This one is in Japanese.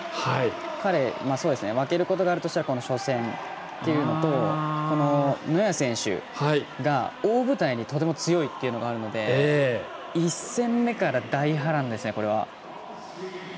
彼、負けることがあるとしたら初戦っていうのとノヤ選手が大舞台にとても強いというのがあるので１戦目から大波乱ですね。